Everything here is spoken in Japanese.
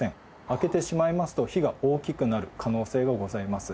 開けてしまいますと火が大きくなる可能性がございます。